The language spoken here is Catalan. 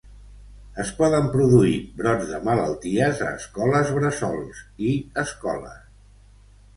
Es poden produir brots de malalties a escoles bressols i escoles.